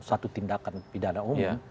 satu tindakan pidana umum